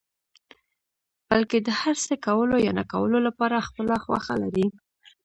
بلکې د هر څه کولو يا نه کولو لپاره خپله خوښه لري.